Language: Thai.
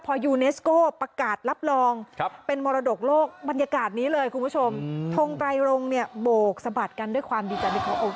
โบกสะบัดกันด้วยความดีจัด